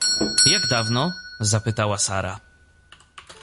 — Jak dawno? — zapytała Sara.